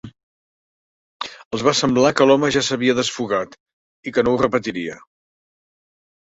Els va semblar que l'home ja s'havia desfogat i que no ho repetiria.